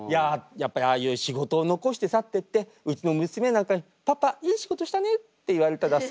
やっぱりああいう仕事を残して去ってってうちの娘なんかに「パパいい仕事したね」って言われたら。